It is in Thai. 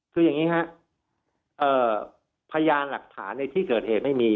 คืออย่างนี้ครับพยานหลักฐานในที่เกิดเหตุไม่มี